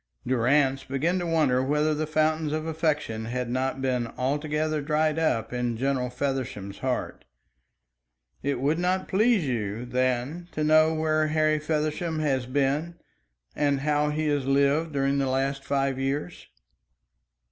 Durrance began to wonder whether the fountains of affection had not been altogether dried up in General Feversham's heart. "It would not please you, then, to know where Harry Feversham has been, and how he has lived during the last five years?"